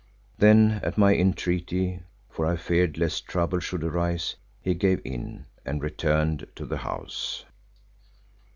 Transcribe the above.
Then at my entreaty, for I feared lest trouble should arise, he gave in and returned to the house.